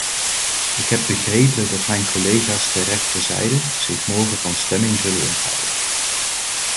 Ik heb begrepen dat mijn collega's ter rechterzijde zich morgen van stemming zullen onthouden.